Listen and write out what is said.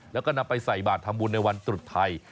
แล้วก็นำไปใส่บาททำบุญในวันตรุษไทย